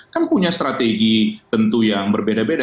kan punya strategi tentu yang berbeda beda